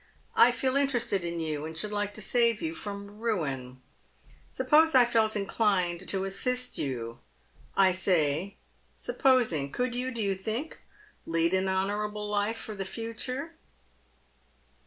I feel interested in you, and should like to save you from ruin. Supposing I felt inclined to assist you — I say sup posing — could vou, do you think, lead an honourable life for the future?"